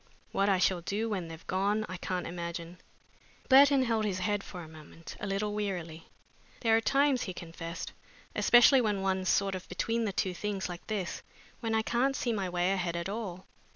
"What I shall do when they've gone I can't imagine." Burton held his head for a moment a little wearily. "There are times," he confessed, "especially when one's sort of between the two things like this, when I can't see my way ahead at all.